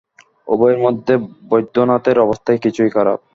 উভয়ের মধ্যে বৈদ্যনাথের অবস্থাই কিছু খারাপ।